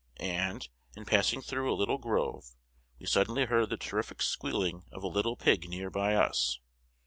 and, in passing through a little grove, we suddenly heard the terrific squealing of a little pig near by us.